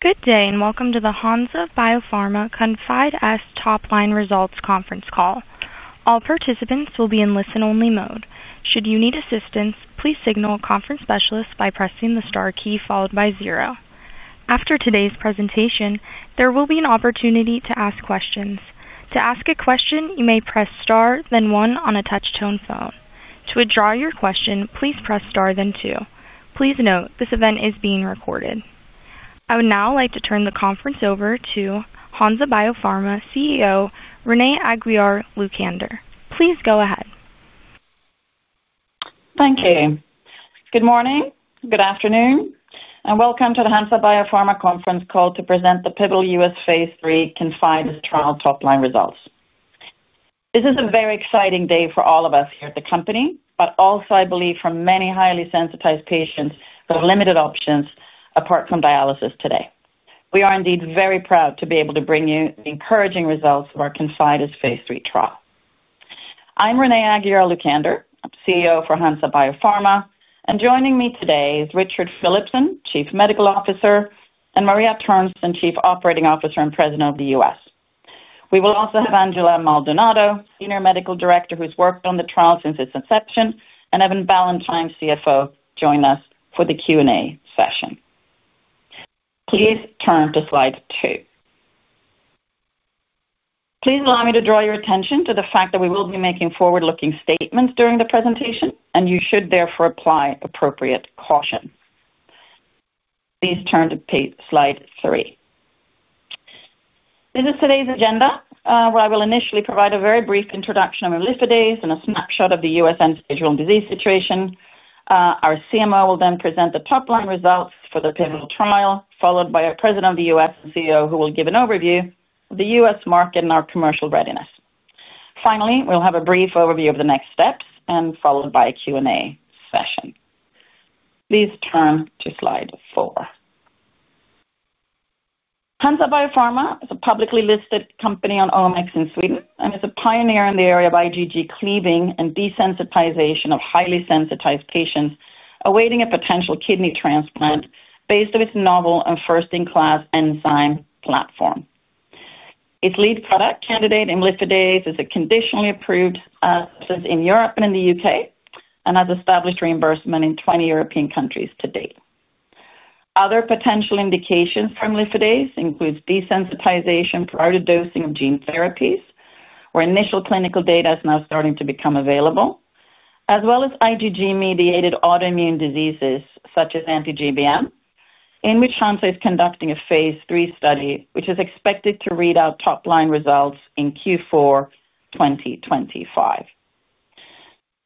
Good day and welcome to the Hansa Biopharma Confide S Topline Results Conference Call. All participants will be in listen-only mode. Should you need assistance, please signal a conference specialist by pressing the star key followed by zero. After today's presentation, there will be an opportunity to ask questions. To ask a question, you may press star, then one on a touch-tone phone. To withdraw your question, please press star, then two. Please note, this event is being recorded. I would now like to turn the conference over to Hansa Biopharma CEO, Renée Aguiar-Lucander. Please go ahead. Thank you. Good morning, good afternoon, and welcome to the Hansa Biopharma Conference Call to present the pivotal U.S. Phase III Confide S trial topline results. This is a very exciting day for all of us here at the company, but also, I believe, for many highly sensitized patients who have limited options apart from dialysis today. We are indeed very proud to be able to bring you the encouraging results of our Confide S Phase III trial. I'm Renée Aguiar-Lucander, CEO for Hansa Biopharma, and joining me today is Richard Philipson, Chief Medical Officer, and Maria Törnsén, Chief Operating Officer and President of the U.S. We will also have Angela Maldonado, Senior Medical Director, who's worked on the trial since its inception, and Evan Ballantyne, CFO, join us for the Q&A session. Please turn to slide two. Please allow me to draw your attention to the fact that we will be making forward-looking statements during the presentation, and you should therefore apply appropriate caution. Please turn to slide three. This is today's agenda, where I will initially provide a very brief introduction of imlifidase and a snapshot of the U.S. individual disease situation. Our CMO will then present the topline results for the pivotal trial, followed by our President of the U.S., who will give an overview of the U.S. market and our commercial readiness. Finally, we'll have a brief overview of the next steps, followed by a Q&A session. Please turn to slide four. Hansa Biopharma is a publicly listed company on OMX in Sweden and is a pioneer in the area of IgG cleaving and desensitization of highly sensitized patients awaiting a potential kidney transplant based on its novel and first-in-class enzyme platform. Its lead product candidate, imlifidase, is a conditionally approved substance in Europe and in the U.K. and has established reimbursement in 20 European countries to date. Other potential indications for imlifidase include desensitization for out-of-dosing of gene therapies, where initial clinical data is now starting to become available, as well as IgG-mediated autoimmune diseases such as anti-GBM, in which Hansa is conducting a Phase III study, which is expected to read out topline results in Q4 2025.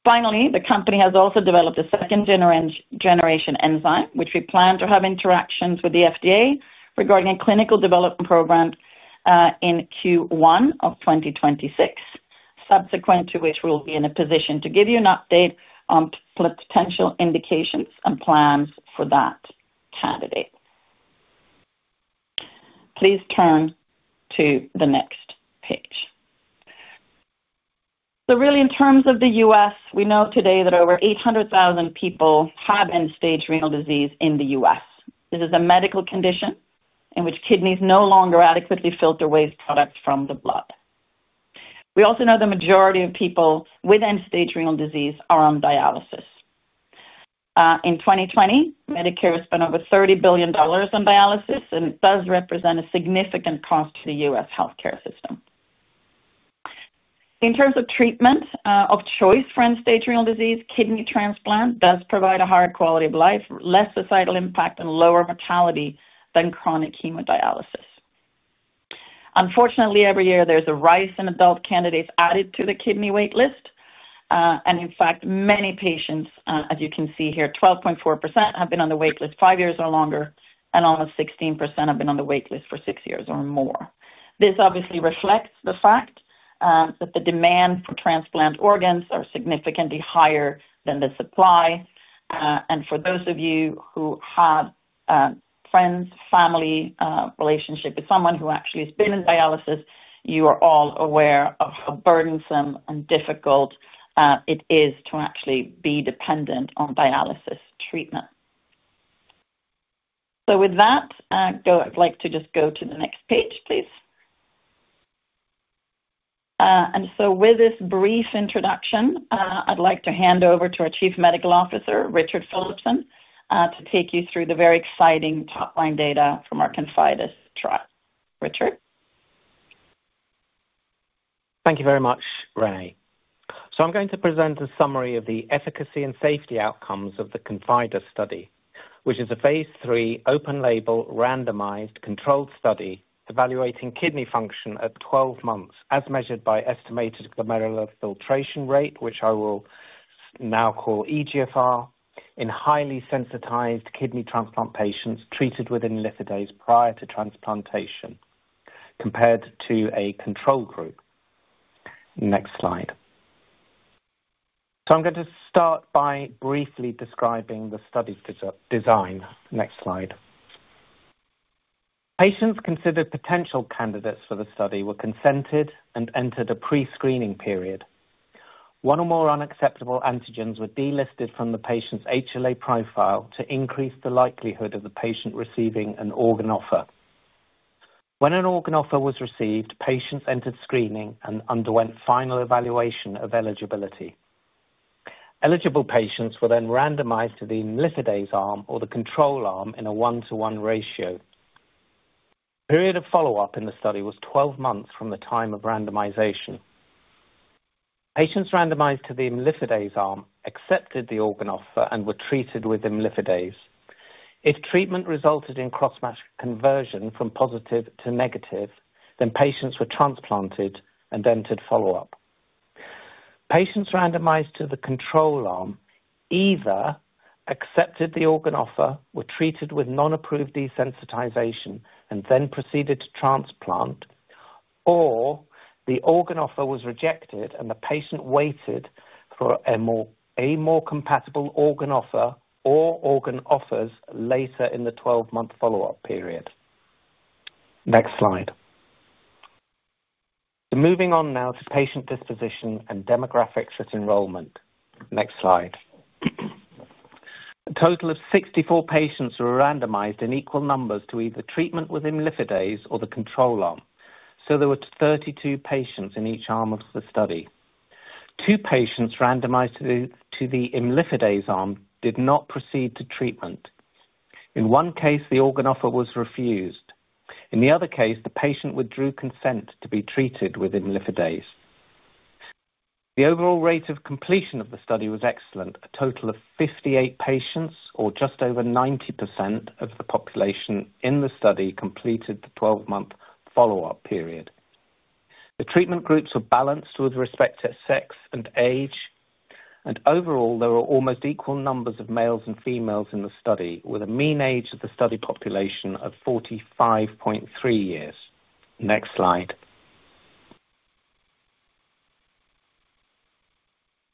Finally, the company has also developed a second-generation enzyme, which we plan to have interactions with the FDA regarding a clinical development program in Q1 of 2026, subsequent to which we will be in a position to give you an update on potential indications and plans for that candidate. Please turn to the next page. In terms of the US, we know today that over 800,000 people have end-stage renal disease in the US. This is a medical condition in which kidneys no longer adequately filter waste products from the blood. We also know the majority of people with end-stage renal disease are on dialysis. In 2020, Medicare spent over $30 billion on dialysis, and it does represent a significant cost to the US healthcare system. In terms of treatment of choice for end-stage renal disease, kidney transplant does provide a higher quality of life, less societal impact, and lower mortality than chronic hemodialysis. Unfortunately, every year there's a rise in adult candidates added to the kidney waitlist, and in fact, many patients, as you can see here, 12.4% have been on the waitlist five years or longer, and almost 16% have been on the waitlist for six years or more. This obviously reflects the fact that the demand for transplant organs is significantly higher than the supply. For those of you who have friends, family, relationships with someone who actually has been in dialysis, you are all aware of how burdensome and difficult it is to actually be dependent on dialysis treatment. With that, I'd like to just go to the next page, please. With this brief introduction, I'd like to hand over to our Chief Medical Officer, Richard Philipson, to take you through the very exciting topline data from our Confide S trial. Richard? Thank you very much, Renée. I'm going to present a summary of the efficacy and safety outcomes of the Confide S study, which is a Phase III open-label, randomized, controlled study evaluating kidney function at 12 months, as measured by estimated glomerular filtration rate, which I will now call eGFR, in highly sensitized kidney transplant patients treated with imlifidase prior to transplantation compared to a control group. Next slide. I'm going to start by briefly describing the study's design. Next slide. Patients considered potential candidates for the study were consented and entered a pre-screening period. One or more unacceptable antigens were delisted from the patient's HLA profile to increase the likelihood of the patient receiving an organ offer. When an organ offer was received, patients entered screening and underwent final evaluation of eligibility. Eligible patients were then randomized to the imlifidase arm or the control arm in a one-to-one ratio. The period of follow-up in the study was 12 months from the time of randomization. Patients randomized to the imlifidase arm accepted the organ offer and were treated with imlifidase. If treatment resulted in cross-match conversion from positive to negative, patients were transplanted and entered follow-up. Patients randomized to the control arm either accepted the organ offer, were treated with non-approved desensitization, and then proceeded to transplant, or the organ offer was rejected and the patient waited for a more compatible organ offer or organ offers later in the 12-month follow-up period. Next slide. Moving on now to patient disposition and demographics with enrollment. Next slide. A total of 64 patients were randomized in equal numbers to either treatment with imlifidase or the control arm, so there were 32 patients in each arm of the study. Two patients randomized to the imlifidase arm did not proceed to treatment. In one case, the organ offer was refused. In the other case, the patient withdrew consent to be treated with imlifidase. The overall rate of completion of the study was excellent. A total of 58 patients, or just over 90% of the population in the study, completed the 12-month follow-up period. The treatment groups were balanced with respect to sex and age, and overall, there were almost equal numbers of males and females in the study, with a mean age of the study population of 45.3 years. Next slide.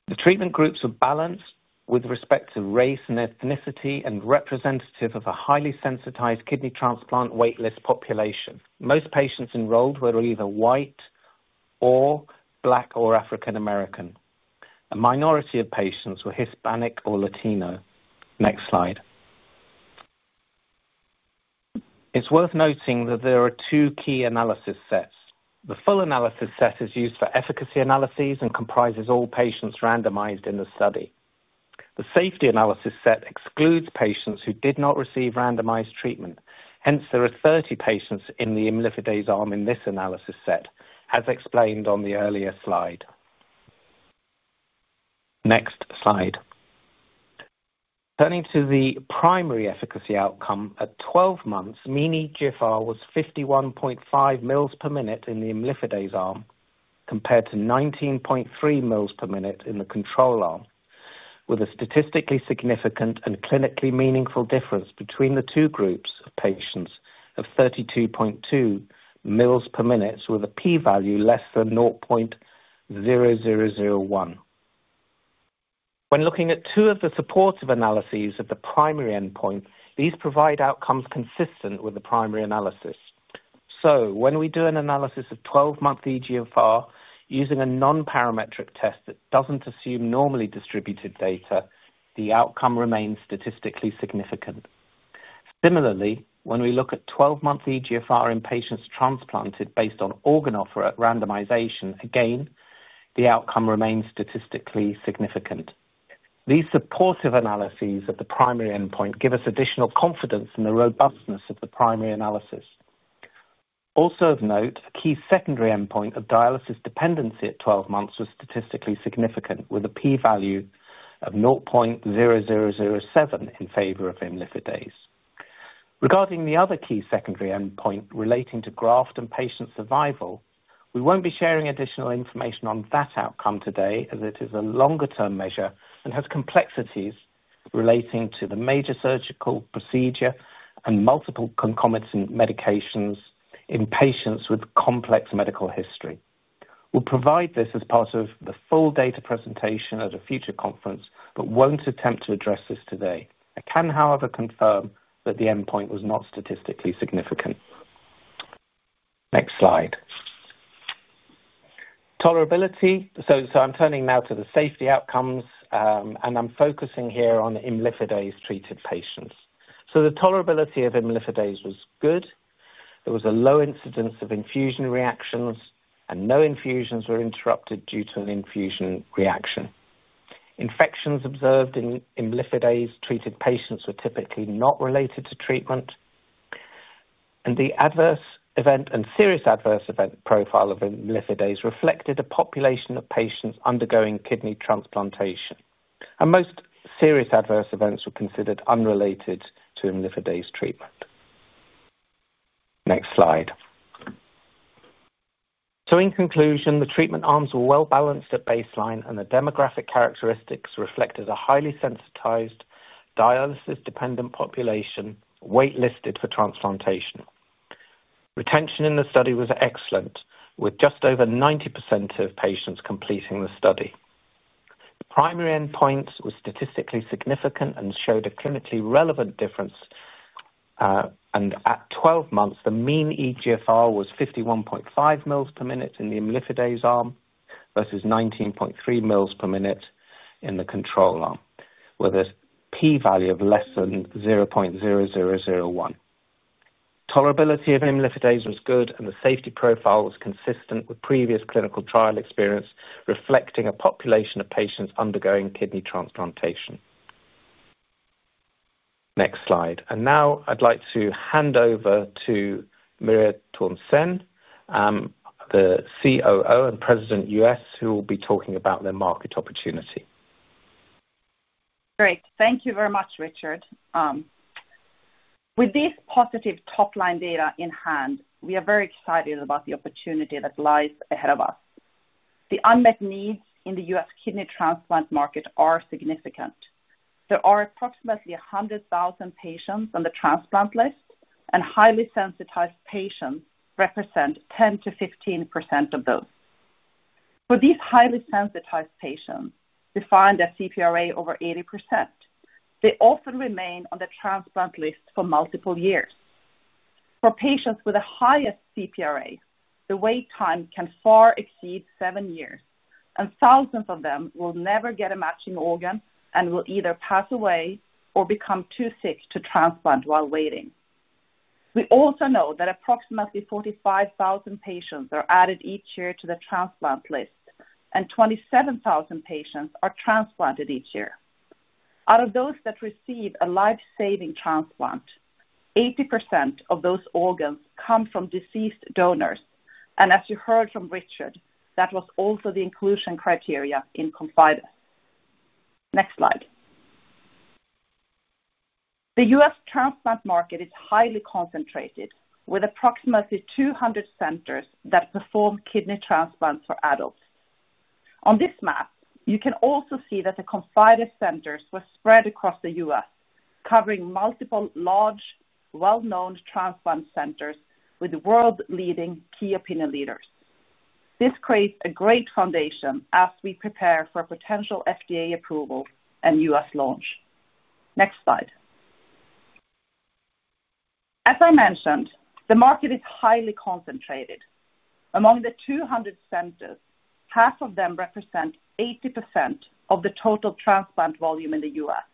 The treatment groups were balanced with respect to race and ethnicity and representative of a highly sensitized kidney transplant waitlist population. Most patients enrolled were either white or Black or African American. The minority of patients were Hispanic or Latino. Next slide. It's worth noting that there are two key analysis sets. The full analysis set is used for efficacy analyses and comprises all patients randomized in the study. The safety analysis set excludes patients who did not receive randomized treatment. Hence, there are 30 patients in the imlifidase arm in this analysis set, as explained on the earlier slide. Next slide. Turning to the primary efficacy outcome, at 12 months, mean eGFR was 51.5 mL/min in the imlifidase arm compared to 19.3 mL/min in the control arm, with a statistically significant and clinically meaningful difference between the two groups of patients of 32.2 mL/min with a p-value less than 0.0001. When looking at two of the supportive analyses at the primary endpoint, these provide outcomes consistent with the primary analysis. When we do an analysis of 12-month eGFR using a non-parametric test that doesn't assume normally distributed data, the outcome remains statistically significant. Similarly, when we look at 12-month eGFR in patients transplanted based on organ offer at randomization, again, the outcome remains statistically significant. These supportive analyses at the primary endpoint give us additional confidence in the robustness of the primary analysis. Also of note, a key secondary endpoint of dialysis dependency at 12 months was statistically significant with a p-value of 0.0007 in favor of imlifidase. Regarding the other key secondary endpoint relating to graft and patient survival, we won't be sharing additional information on that outcome today as it is a longer-term measure and has complexities relating to the major surgical procedure and multiple concomitant medications in patients with complex medical history. We'll provide this as part of the full data presentation at a future conference but won't attempt to address this today. I can, however, confirm that the endpoint was not statistically significant. Next slide. Tolerability. I'm turning now to the safety outcomes, and I'm focusing here on imlifidase treated patients. The tolerability of imlifidase was good. There was a low incidence of infusion reactions, and no infusions were interrupted due to an infusion reaction. Infections observed in imlifidase treated patients were typically not related to treatment, and the adverse event and serious adverse event profile of imlifidase reflected a population of patients undergoing kidney transplantation. Most serious adverse events were considered unrelated to imlifidase treatment. Next slide. In conclusion, the treatment arms were well balanced at baseline, and the demographic characteristics reflected a highly sensitized, dialysis-dependent population waitlisted for transplantation. Retention in the study was excellent, with just over 90% of patients completing the study. Primary endpoints were statistically significant and showed a clinically relevant difference. At 12 months, the mean eGFR was 51.5 mL/min in the imlifidase arm versus 19.3 mL/min in the control arm, with a p-value of less than 0.0001. Tolerability of imlifidase was good, and the safety profile was consistent with previous clinical trial experience, reflecting a population of patients undergoing kidney transplantation. Next slide. Now I'd like to hand over to Maria Törnsén, the COO and President US, who will be talking about their market opportunity. Great. Thank you very much, Richard. With this positive topline data in hand, we are very excited about the opportunity that lies ahead of us. The unmet needs in the US kidney transplant market are significant. There are approximately 100,000 patients on the transplant list, and highly sensitized patients represent 10% to 15% of those. For these highly sensitized patients, we find their CPRA over 80%. They often remain on the transplant list for multiple years. For patients with the highest CPRA, the wait time can far exceed seven years, and thousands of them will never get a matching organ and will either pass away or become too sick to transplant while waiting. We also know that approximately 45,000 patients are added each year to the transplant list, and 27,000 patients are transplanted each year. Out of those that receive a life-saving transplant, 80% of those organs come from deceased donors. As you heard from Richard, that was also the inclusion criteria in Confide S. Next slide. The US transplant market is highly concentrated, with approximately 200 centers that perform kidney transplants for adults. On this map, you can also see that the Confide S centers were spread across the US, covering multiple large, well-known transplant centers with world-leading key opinion leaders. This creates a great foundation as we prepare for a potential FDA approval and US launch. Next slide. As I mentioned, the market is highly concentrated. Among the 200 centers, half of them represent 80% of the total transplant volume in the US.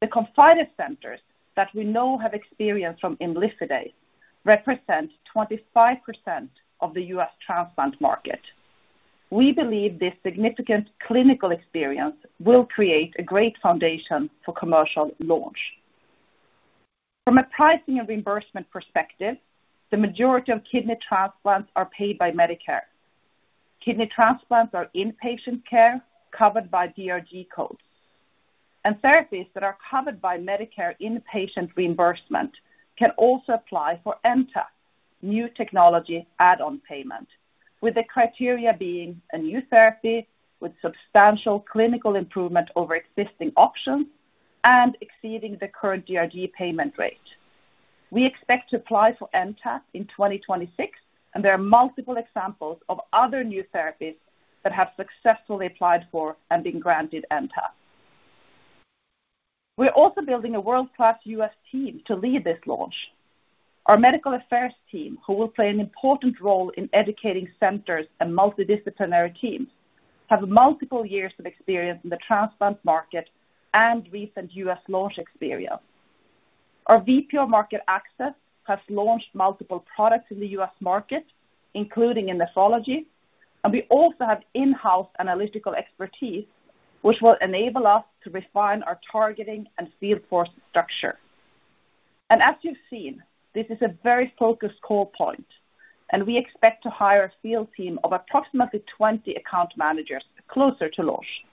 The Confide S centers that we know have experience from imlifidase represent 25% of the US transplant market. We believe this significant clinical experience will create a great foundation for commercial launch. From a pricing and reimbursement perspective, the majority of kidney transplants are paid by Medicare. Kidney transplants are inpatient care covered by DRG codes. Therapies that are covered by Medicare inpatient reimbursement can also apply for NTAP, New Technology Add-on Payment, with the criteria being a new therapy with substantial clinical improvement over existing options and exceeding the current DRG payment rate. We expect to apply for NTAP in 2026, and there are multiple examples of other new therapies that have successfully applied for and been granted NTAP. We're also building a world-class US team to lead this launch. Our medical affairs team, who will play an important role in educating centers and multidisciplinary teams, have multiple years of experience in the transplant market and recent US launch experience. Our VP of Market Access has launched multiple products in the US market, including in nephrology, and we also have in-house analytical expertise, which will enable us to refine our targeting and field force structure. As you've seen, this is a very focused cold point, and we expect to hire a field team of approximately 20 account managers closer to launch.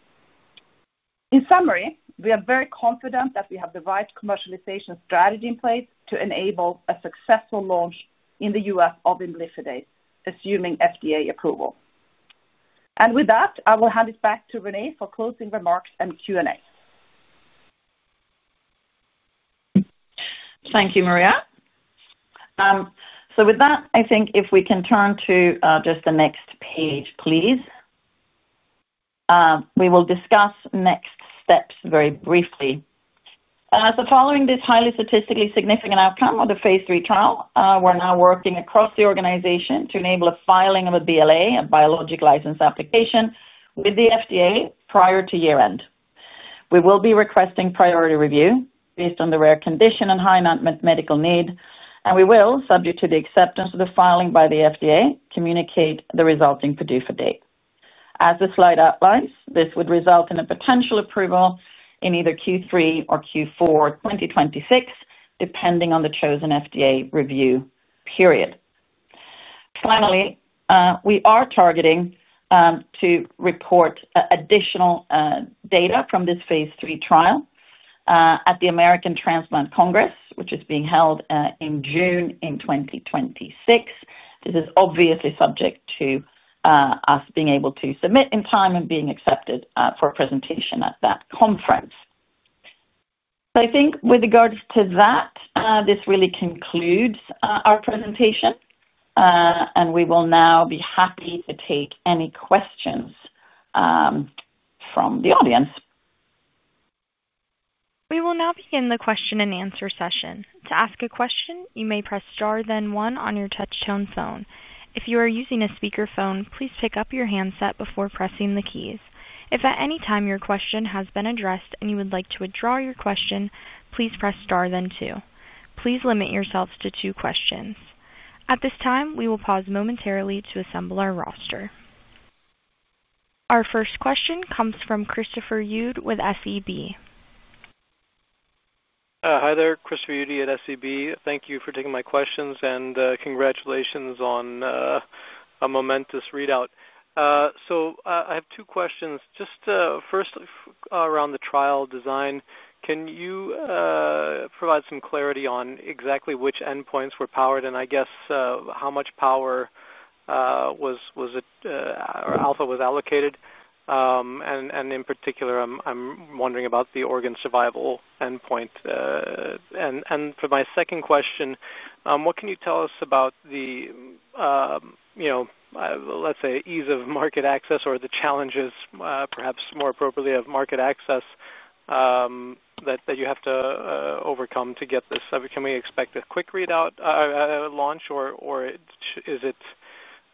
In summary, we are very confident that we have the right commercialization strategy in place to enable a successful launch in the US of imlifidase assuming FDA approval. With that, I will hand it back to Renée for closing remarks and Q&A. Thank you, Maria. With that, if we can turn to just the next page, please. We will discuss next steps very briefly. Following this highly statistically significant outcome of the Phase III trial, we're now working across the organization to enable a filing of a BLA, a Biologics License Application, with the FDA prior to year-end. We will be requesting priority review based on the rare condition and high unmet medical need, and we will, subject to the acceptance of the filing by the FDA, communicate the resulting PDUFA date. As the slide outlines, this would result in a potential approval in either Q3 or Q4 2026, depending on the chosen FDA review period. Finally, we are targeting to report additional data from this Phase III trial at the American Transplant Congress, which is being held in June 2026. This is obviously subject to us being able to submit in time and being accepted for a presentation at that conference. With regard to that, this really concludes our presentation, and we will now be happy to take any questions from the audience. We will now begin the question and answer session. To ask a question, you may press star, then one on your touch-tone phone. If you are using a speaker phone, please pick up your handset before pressing the keys. If at any time your question has been addressed and you would like to withdraw your question, please press star, then two. Please limit yourselves to two questions. At this time, we will pause momentarily to assemble our roster. Our first question comes from Christopher Udd with SEB. Hi there, Christopher Udd at SEB. Thank you for taking my questions and congratulations on a momentous readout. I have two questions. First, around the trial design, can you provide some clarity on exactly which endpoints were powered and I guess how much power was it or alpha was allocated? In particular, I'm wondering about the organ survival endpoint. For my second question, what can you tell us about the, you know, let's say, ease of market access or the challenges, perhaps more appropriately, of market access that you have to overcome to get this? Can we expect a quick readout launch or is it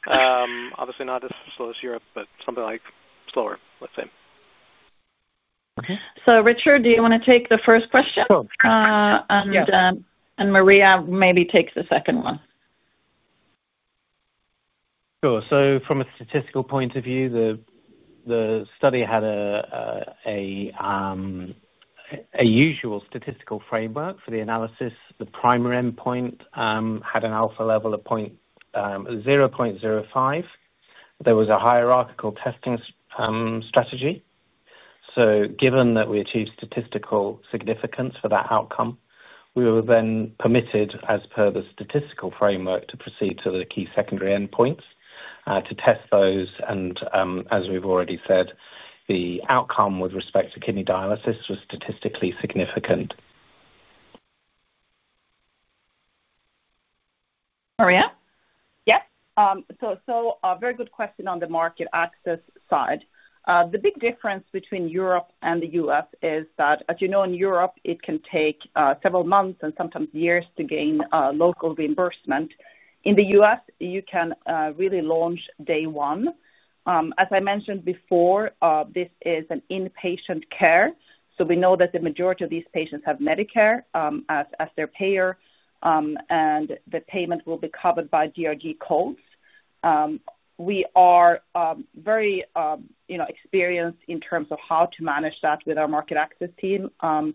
obviously not as slow as Europe, but something like slower, let's say? Richard, do you want to take the first question? Maria maybe takes the second one. Sure. From a statistical point of view, the study had a usual statistical framework for the analysis. The primary endpoint had an alpha level of 0.05. There was a hierarchical testing strategy. Given that we achieved statistical significance for that outcome, we were then permitted, as per the statistical framework, to proceed to the key secondary endpoints to test those. As we've already said, the outcome with respect to kidney dialysis was statistically significant. Maria? Yes. A very good question on the market access side. The big difference between Europe and the U.S. is that, as you know, in Europe, it can take several months and sometimes years to gain local reimbursement. In the U.S., you can really launch day one. As I mentioned before, this is an inpatient care. We know that the majority of these patients have Medicare as their payer, and the payment will be covered by DRG codes. We are very experienced in terms of how to manage that with our market access team. I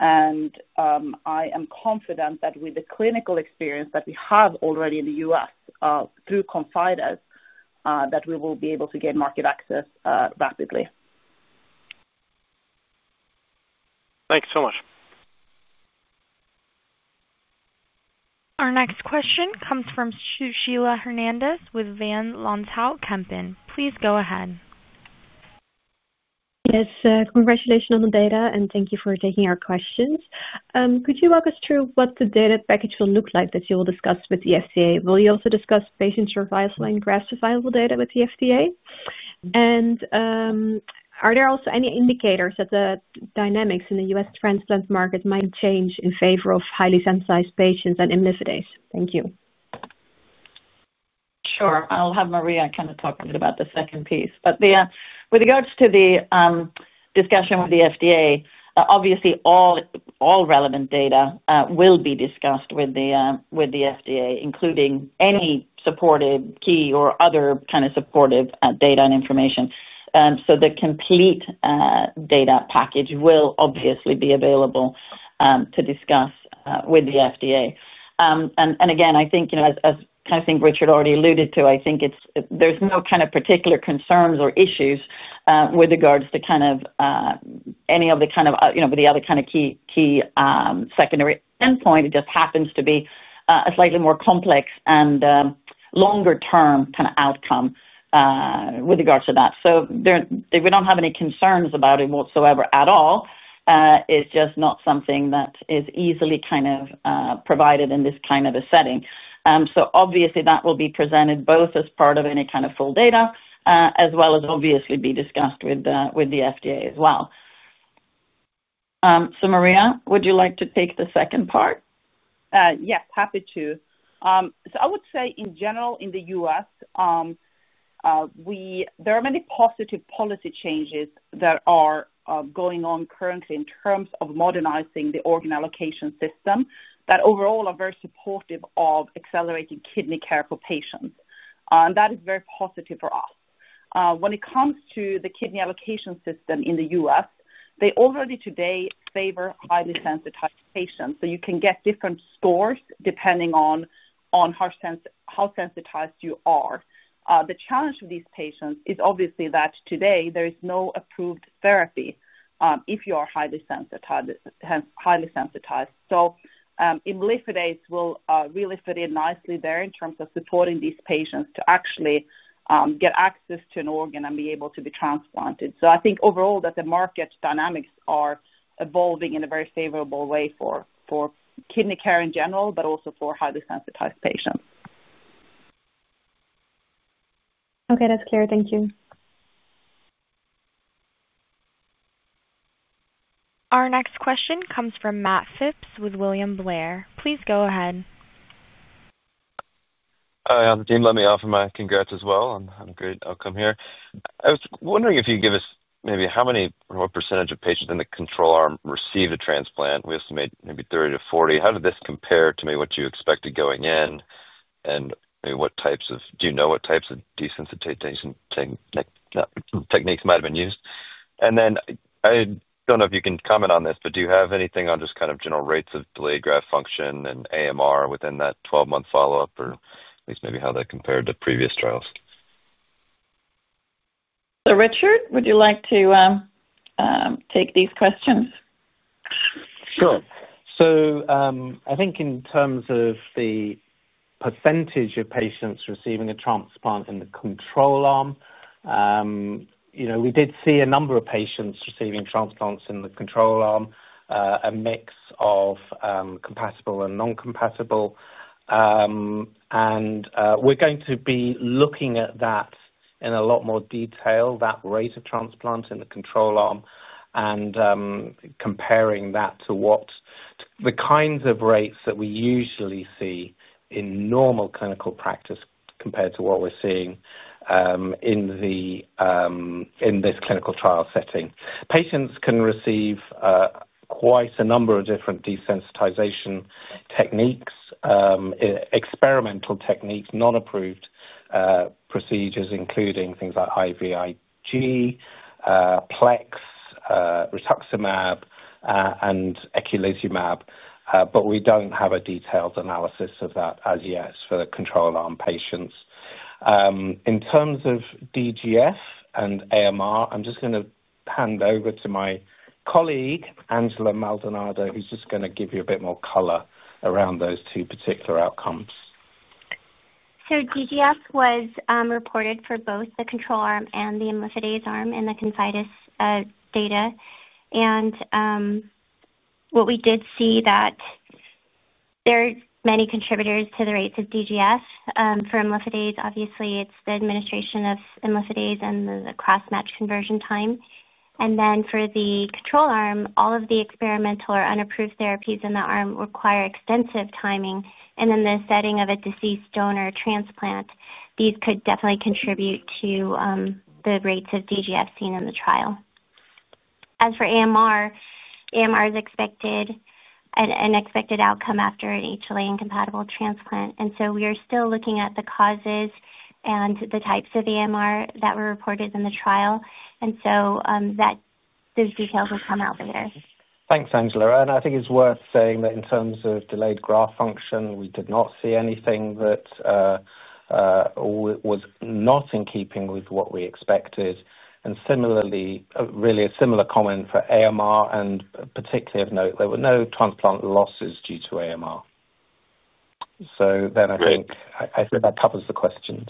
am confident that with the clinical experience that we have already in the U.S. through Confide S, we will be able to gain market access rapidly. Thank you so much. Our next question comes from Sushila Hernandez with Van Lanschot Kempen. Please go ahead. Yes. Congratulations on the data, and thank you for taking our questions. Could you walk us through what the data package will look like that you will discuss with the FDA? Will you also discuss patient survival and graft survival data with the FDA? Are there also any indicators that the dynamics in the US transplant market might change in favor of highly sensitized patients and imlifidase? Thank you. Sure. I'll have Maria kind of talk a bit about the second piece. With regards to the discussion with the FDA, obviously, all relevant data will be discussed with the FDA, including any supportive key or other kind of supportive data and information. The complete data package will obviously be available to discuss with the FDA. I think, you know, as I think Richard already alluded to, I think there's no kind of particular concerns or issues with regards to kind of any of the kind of, you know, with the other kind of key secondary endpoint. It just happens to be a slightly more complex and longer-term kind of outcome with regards to that. We don't have any concerns about it whatsoever at all. It's just not something that is easily kind of provided in this kind of a setting. That will be presented both as part of any kind of full data as well as obviously be discussed with the FDA as well. Maria, would you like to take the second part? Yes, happy to. I would say, in general, in the US, there are many positive policy changes that are going on currently in terms of modernizing the organ allocation system that overall are very supportive of accelerating kidney care for patients. That is very positive for us. When it comes to the kidney allocation system in the US, they already today favor highly sensitized patients. You can get different scores depending on how sensitized you are. The challenge for these patients is obviously that today there is no approved therapy if you are highly sensitized. So imlifidase will really fit in nicely there in terms of supporting these patients to actually get access to an organ and be able to be transplanted. I think overall that the market dynamics are evolving in a very favorable way for kidney care in general, but also for highly sensitized patients. Okay. That's clear. Thank you. Our next question comes from Matthew Phipps with William Blair & Company L.L.C. Please go ahead. Hi, on the team. Let me offer my congrats as well. I'm great. I'll come here. I was wondering if you could give us maybe how many or what % of patients in the control arm receive the transplant. We estimate maybe 30 to 40%. How did this compare to maybe what you expected going in and maybe what types of, do you know what types of desensitization techniques might have been used? I don't know if you can comment on this, but do you have anything on just kind of general rates of delayed graft function and AMR within that 12-month follow-up or at least maybe how that compared to previous trials? Richard, would you like to take these questions? Sure. I think in terms of the % of patients receiving a transplant in the control arm, we did see a number of patients receiving transplants in the control arm, a mix of compatible and non-compatible. We're going to be looking at that in a lot more detail, that rate of transplants in the control arm, and comparing that to the kinds of rates that we usually see in normal clinical practice compared to what we're seeing in this clinical trial setting. Patients can receive quite a number of different desensitization techniques, experimental techniques, non-approved procedures, including things like IVIG, PLEX, rituximab, and eculizumab. We don't have a detailed analysis of that as yet for the control arm patients. In terms of DGF and AMR, I'm going to hand over to my colleague, Angela Maldonado, who's going to give you a bit more color around those two particular outcomes. DGF was reported for both the control arm and the imlifidase arm in the Confide S data. What we did see is that there are many contributors to the rates of DGF. For imlifidase, obviously, it's the administration of imlifidase and the cross-match conversion time. For the control arm, all of the experimental or unapproved therapies in the arm require extensive timing. In the setting of a deceased donor transplant, these could definitely contribute to the rates of DGF seen in the trial. As for AMR, AMR is an expected outcome after an HLA incompatible transplant. We are still looking at the causes and the types of AMR that were reported in the trial. Those details will come out from there. Thanks, Angela. I think it's worth saying that in terms of delayed graft function, we did not see anything that was not in keeping with what we expected. Similarly, really a similar comment for AMR, and particularly of note, there were no transplant losses due to AMR. I think that covers the questions.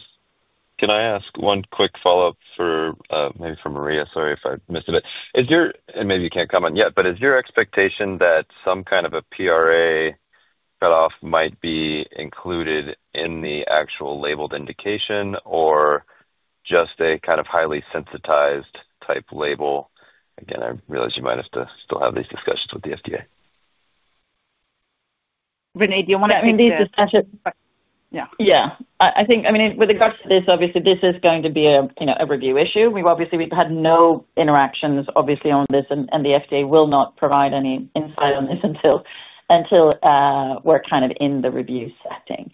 Can I ask one quick follow-up for maybe for Maria? Sorry if I missed it. Is your, and maybe you can't comment yet, but is your expectation that some kind of a PRA cutoff might be included in the actual labeled indication or just a kind of highly sensitized type label? Again, I realize you might have to still have these discussions with the FDA. Renée, do you want to end these discussions? Yeah, I think, with regards to this, obviously, this is going to be a review issue. We've obviously had no interactions on this, and the FDA will not provide any insight on this until we're kind of in the review setting.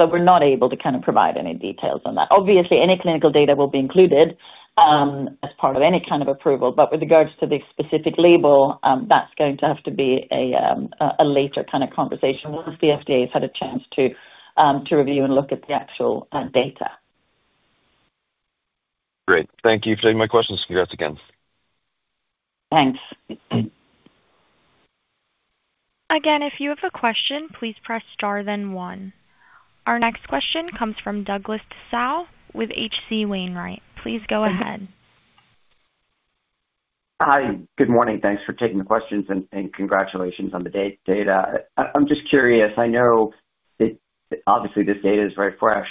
We're not able to provide any details on that. Obviously, any clinical data will be included as part of any kind of approval. With regards to the specific label, that's going to have to be a later conversation once the FDA has had a chance to review and look at the actual data. Great. Thank you for taking my questions. Congrats again. Thanks. Again, if you have a question, please press star, then one. Our next question comes from Douglas Tsao with H.C. Wainwright & Co. Please go ahead. Hi. Good morning. Thanks for taking the questions and congratulations on the data. I'm just curious. I know that obviously this data is very fresh.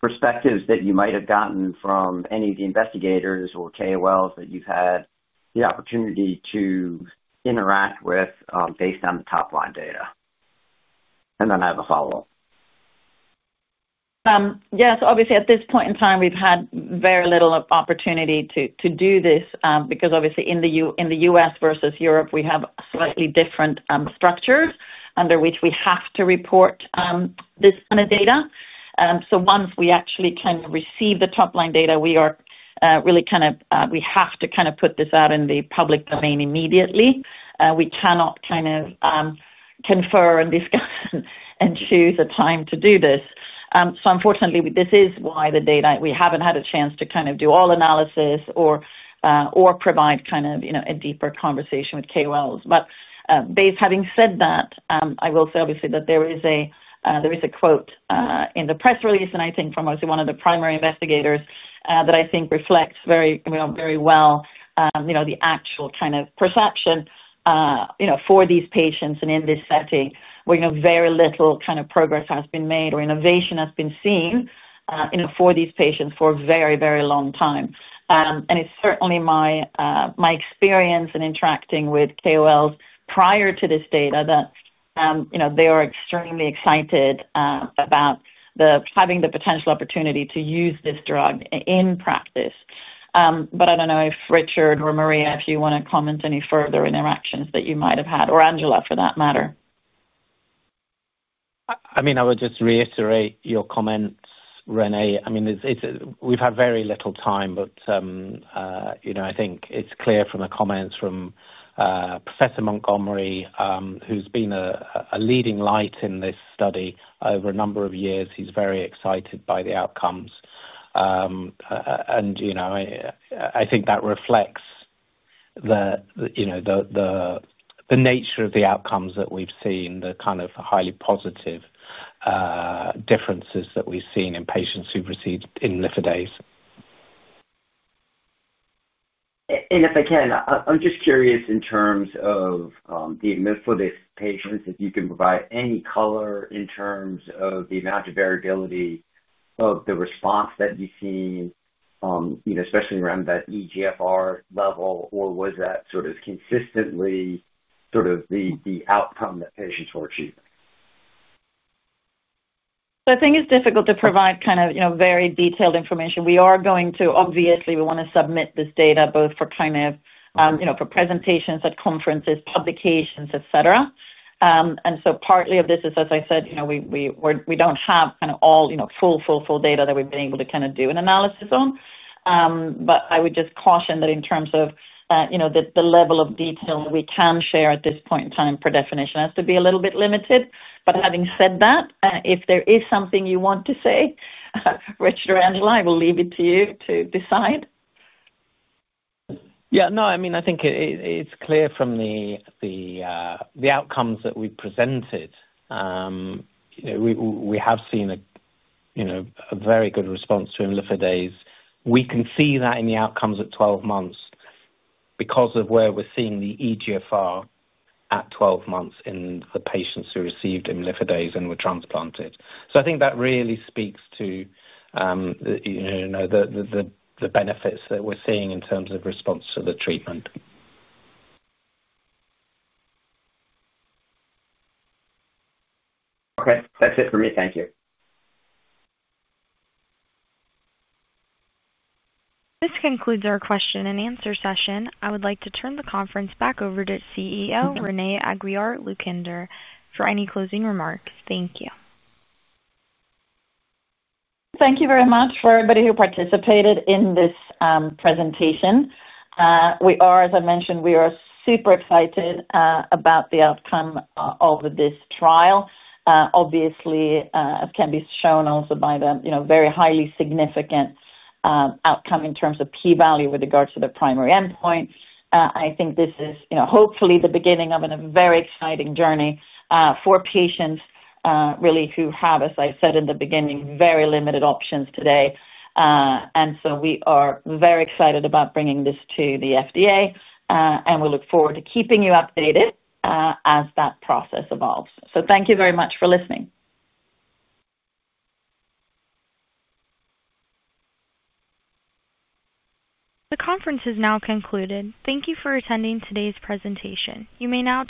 Perspectives that you might have gotten from any of the investigators or KOLs that you've had the opportunity to interact with based on the topline data. I have a follow-up. Yeah. Obviously, at this point in time, we've had very little opportunity to do this because in the US versus Europe, we have slightly different structures under which we have to report this kind of data. Once we actually receive the topline data, we really have to put this out in the public domain immediately. We cannot confer and discuss and choose a time to do this. Unfortunately, this is why the data, we haven't had a chance to do all analysis or provide a deeper conversation with KOLs. Having said that, I will say that there is a quote in the press release, and I think from one of the primary investigators that I think reflects very well the actual perception for these patients. In this setting, very little progress has been made or innovation has been seen for these patients for a very, very long time. It's certainly my experience in interacting with KOLs prior to this data that they are extremely excited about having the potential opportunity to use this drug in practice. I don't know if Richard or Maria, if you want to comment any further interactions that you might have had or Angela for that matter. I would just reiterate your comments, Renée. We've had very little time, but I think it's clear from the comments from Professor Montgomery, who's been a leading light in this study over a number of years. He's very excited by the outcomes. I think that reflects the nature of the outcomes that we've seen, the kind of highly positive differences that we've seen in patients who've received imlifidase. I'm just curious in terms of the imlifidase patients, if you can provide any color in terms of the amount of variability of the response that you've seen, especially around that eGFR level, or was that sort of consistently sort of the outcome that patients were achieving? I think it's difficult to provide kind of very detailed information. We are going to, obviously, we want to submit this data both for kind of presentations at conferences, publications, etc. Partly of this is, as I said, we don't have kind of all full, full, full data that we've been able to kind of do an analysis on. I would just caution that in terms of the level of detail that we can share at this point in time, per definition, it has to be a little bit limited. Having said that, if there is something you want to say, Richard or Angela, I will leave it to you to decide. Yeah. No, I mean, I think it's clear from the outcomes that we've presented. We have seen a very good response to imlifidase. We can see that in the outcomes at 12 months because of where we're seeing the eGFR at 12 months in the patients who received imlifidase and were transplanted. I think that really speaks to the benefits that we're seeing in terms of response to the treatment. Okay. That's it for me. Thank you. This concludes our question and answer session. I would like to turn the conference back over to CEO Renée Aguiar-Lucander for any closing remarks. Thank you. Thank you very much for everybody who participated in this presentation. As I mentioned, we are super excited about the outcome of this trial. Obviously, it can be shown also by the very highly significant outcome in terms of p-value with regards to the primary endpoint. I think this is hopefully the beginning of a very exciting journey for patients really who have, as I said in the beginning, very limited options today. We are very excited about bringing this to the FDA, and we look forward to keeping you updated as that process evolves. Thank you very much for listening. The conference is now concluded. Thank you for attending today's presentation. You may now.